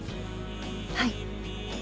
はい。